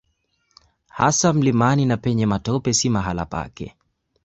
Hasa mlimani na penye matope si mahali pake.